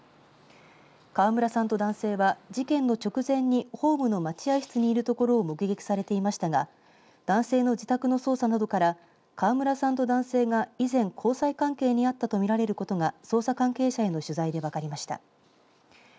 川村さんと男性は事件の直前にホームの待合室にいるところを目撃されていましたが男性の自宅の捜査などから川村さんと男性が以前交際関係にあったと見られることが捜査関係者への取材で分かりました。